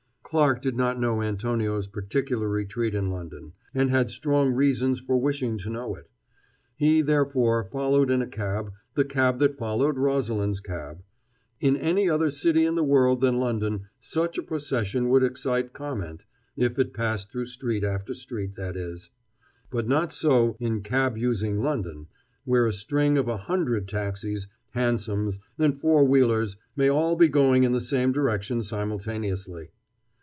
Clarke did not know Antonio's particular retreat in London, and had strong reasons for wishing to know it. He, therefore, followed in a cab the cab that followed Rosalind's cab. In any other city in the world than London such a procession would excite comment if it passed through street after street, that is. But not so in cab using London, where a string of a hundred taxis, hansoms, and four wheelers may all be going in the same direction simultaneously.